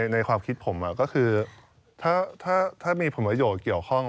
ในความคิดผมก็คือถ้ามีผลประโยชน์เกี่ยวข้อง